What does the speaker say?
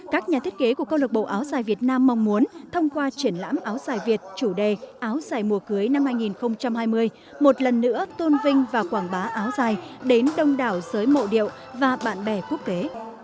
các nhà thiết kế của câu lạc bộ áo dài việt nam mong muốn thông qua triển lãm áo dài việt chủ đề áo dài mùa cưới năm hai nghìn hai mươi một lần nữa tôn vinh và quảng bá áo dài đến đông đảo giới mộ điệu và bạn bè quốc tế